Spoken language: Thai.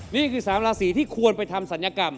นี่คือ๓ราศีที่ควรไปทำศัลยกรรม